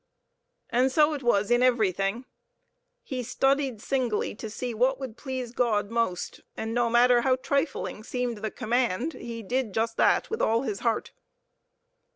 And so it was in everything. He studied singly to see what would please God most, and no matter how trifling seemed the command he did just that, with all his heart.